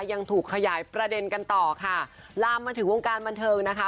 ยังถูกขยายประเด็นกันต่อค่ะลามมาถึงวงการบันเทิงนะคะ